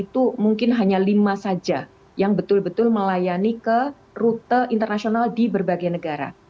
itu mungkin hanya lima saja yang betul betul melayani ke rute internasional di berbagai negara